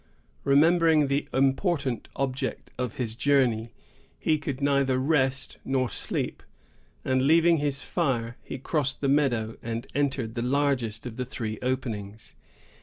Remembering the important object of his journey, he could neither rest nor sleep; and, leaving his fire, he crossed the meadow, and entered the largest of the three openings.